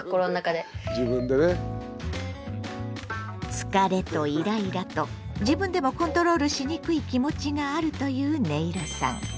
疲れとイライラと自分でもコントロールしにくい気持ちがあるというねいろさん。